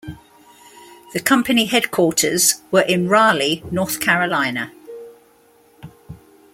The company headquarters were in Raleigh, North Carolina.